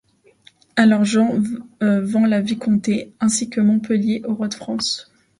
Alors Jacques vend la vicomté, ainsi que Montpellier, au roi de France.